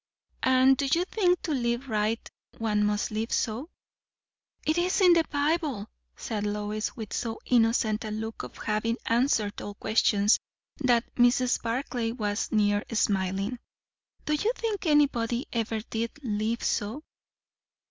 "And do you think, to live right, one must live so?" "It is the Bible!" said Lois, with so innocent a look of having answered all questions, that Mrs. Barclay was near smiling. "Do you think anybody ever did live so?"